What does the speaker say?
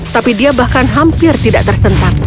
tapi dia bahkan hampir tidak tersentak